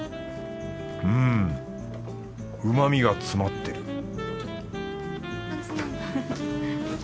うんうまみが詰まってる